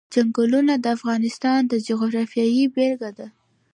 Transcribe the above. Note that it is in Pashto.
چنګلونه د افغانستان د جغرافیې بېلګه ده.